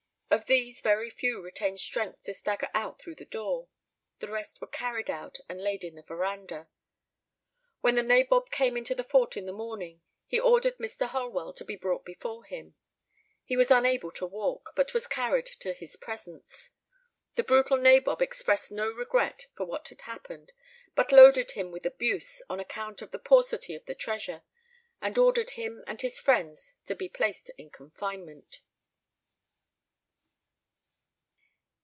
Of these very few retained strength to stagger out through the door. The rest were carried out and laid in the verandah. When the nabob came into the fort in the morning, he ordered Mr. Holwell to be brought before him. He was unable to walk, but was carried to his presence. The brutal nabob expressed no regret for what had happened, but loaded him with abuse on account of the paucity of the treasure, and ordered him and his friends to be placed in confinement.